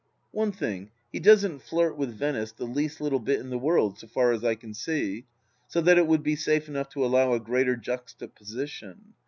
One thing, he doesn't flirt with Venice the least little bit in the world, so far as I can see, so that it would be safe enough to allow a greater juxtaposition.